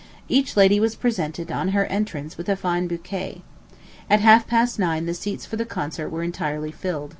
Each lady was presented, on her entrance, with a fine bouquet. At half past nine the seats for the concert were entirely filled.